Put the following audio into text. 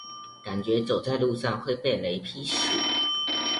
感覺走在路上會被雷劈死